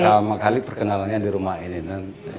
pertama kali perkenalannya di rumah ini